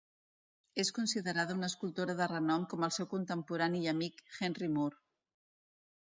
És considerada una escultora de renom, com el seu contemporani i amic, Henry Moore.